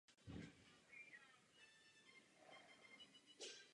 Nechci jít nikam.